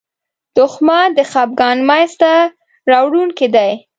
دښمن د خپګان مینځ ته راوړونکی دی